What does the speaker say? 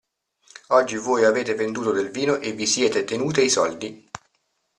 Oggi voi avete venduto del vino e vi siete tenute i soldi.